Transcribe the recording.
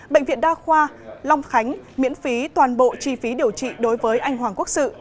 bệnh viện đa khoa long khánh miễn phí toàn bộ chi phí điều trị đối với anh hoàng quốc sự